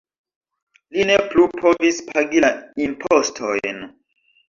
Li ne plu povis pagi la impostojn.